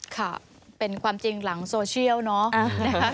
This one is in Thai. ค่ะเป็นความจริงหลังโซเชียลเนาะ